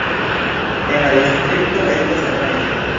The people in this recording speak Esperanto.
En la distrikto estas lernejo.